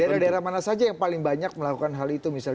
daerah daerah mana saja yang paling banyak melakukan hal itu misalnya